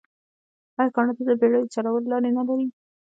آیا کاناډا د بیړیو چلولو لارې نلري؟